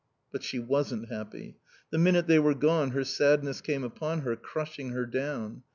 But she wasn't happy. The minute they were gone her sadness came upon her, crushing her down.